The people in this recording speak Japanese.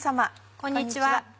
こんにちは。